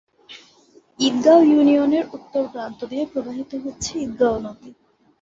ঈদগাঁও ইউনিয়নের উত্তর প্রান্ত দিয়ে প্রবাহিত হচ্ছে ঈদগাঁও নদী।